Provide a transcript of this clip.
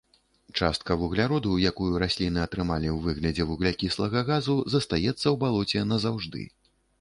Частка вугляроду, якую расліны атрымалі ў выглядзе вуглякіслага газу, застаецца ў балоце назаўжды.